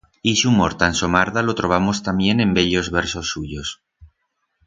Ixe humor tan somarda lo trobamos tamién en bellos versos suyos.